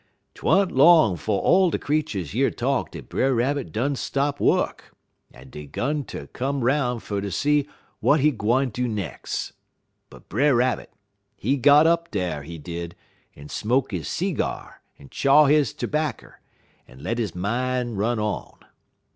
"'T wa'n't long 'fo' all de creeturs year talk dat Brer Rabbit done stop wuk, en dey 'gun ter come 'roun' fer ter see w'at he gwine do nex'. But Brer Rabbit, he got up dar, he did, en smoke he seegyar, en chaw he 'backer, en let he min' run on.